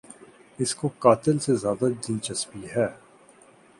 اس کو قاتل سے زیادہ دلچسپی ہے۔